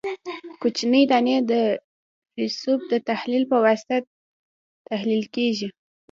کوچنۍ دانې د رسوب د تحلیل په واسطه تحلیل کیږي